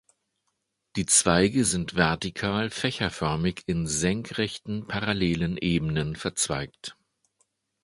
Die Zweige sind vertikal, fächerförmig in senkrechten, parallelen Ebenen verzweigt.